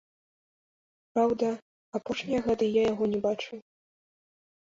Праўда, апошнія гады я яго не бачыў.